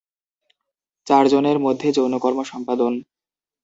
চারজনের মধ্যে যৌনকর্ম সম্পাদন।